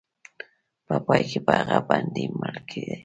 په پای کې به هغه بندي مړ کېده.